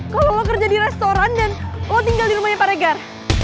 kalo lo kerja di restoran dan lo tinggal di rumahnya paregar